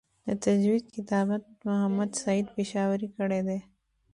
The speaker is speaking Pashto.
د تجوید کتابت محمد سعید پشاوری کړی دی.